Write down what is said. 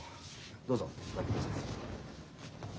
どうぞお掛けください。